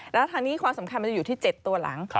แล้วทางนี้ความสำคัญมันจะอยู่ที่๗ตัวหลัง